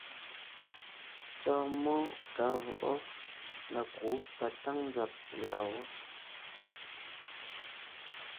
Sɔ̀ɔn mmó kàa vwɔʼɔ na kǔ patáŋ nzàb lyɛ̌ʼɔɔn wɔ́.